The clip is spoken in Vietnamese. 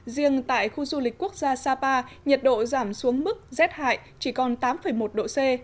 riêng tại khu du lịch quốc gia sapa nhiệt độ giảm xuống mức rét hại chỉ còn tám một độ c